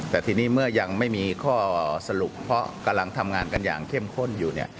แต่ทีนี้เมื่อยังไม่มีข้อสรุปเพราะกำลังทำงานกันอย่างเข้มข้นอยู่